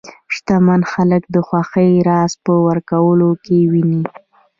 شتمن خلک د خوښۍ راز په ورکولو کې ویني.